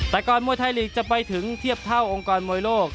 แต่ก่อนมวยไทยลีกจะไปถึงเทียบเท่าองค์กรมวยโลก